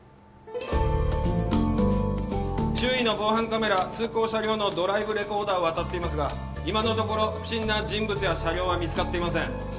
周囲の防犯カメラ通行車両のドライブレコーダーを当たっていますが今のところ不審な人物や車両は見つかっていません